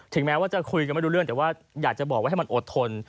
ถึงแม้ว่าจะคุยกันไม่รู้เรื่องอยากบอกว่าให้มันอดทน